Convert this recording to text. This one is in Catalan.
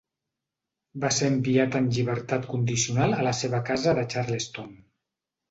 Va ser enviat en llibertat condicional a la seva casa de Charleston.